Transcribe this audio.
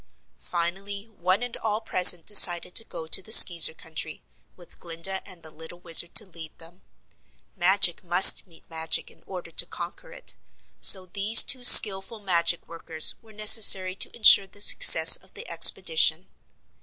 Finally one and all present decided to go to the Skeezer country, with Glinda and the little Wizard to lead them. Magic must meet magic in order to conquer it, so these two skillful magic workers were necessary to insure the success of the expedition.